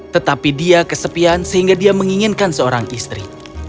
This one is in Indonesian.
tetapi dia kesepian sehingga dia menginginkan seorang istri